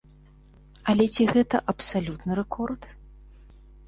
Але ці гэта абсалютны рэкорд?